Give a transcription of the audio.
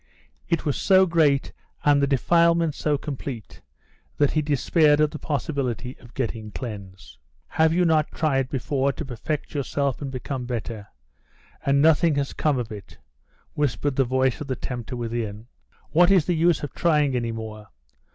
It was so great and the defilement so complete that he despaired of the possibility of getting cleansed. "Have you not tried before to perfect yourself and become better, and nothing has come of it?" whispered the voice of the tempter within. "What is the use of trying any more?